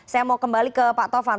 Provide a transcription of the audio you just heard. saya mau kembali ke pak tovan